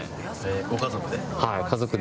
ご家族で？